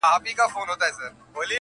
مجبورۍ پر خپل عمل کړلې پښېمانه-